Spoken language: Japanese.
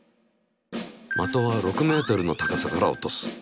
的は６ｍの高さから落とす。